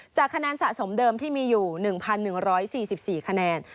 คะแนนสะสมเดิมที่มีอยู่๑๑๔๔คะแนน